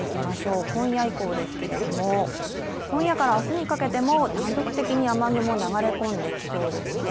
今夜以降ですけれども今夜から明日にかけても断続的に雨雲、流れ込んできそうですね。